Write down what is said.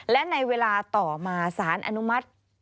และในเวลาต่อมาสารอนุมัติ